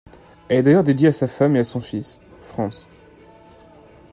Elle est d'ailleurs dédiée à sa femme et à son fils, Franz.